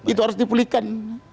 itu harus dipulihkan